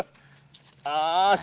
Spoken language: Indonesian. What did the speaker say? ah susah lagi